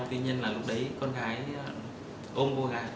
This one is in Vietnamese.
tuy nhiên là lúc đấy con gái ôm cô gái